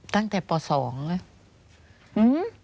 ตั้งแต่ป่าว๒เลย